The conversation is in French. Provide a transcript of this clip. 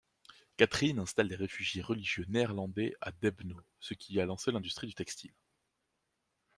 Catherine installe des réfugiés religieux néerlandais à Dębno, ce qui a lancé l'industrie textile.